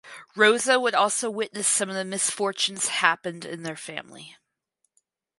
Rosa would also witness some of the misfortunes happened in their family.